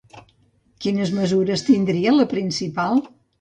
Quines mesures tindria la principal?